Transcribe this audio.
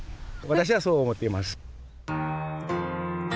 私はそう思っています。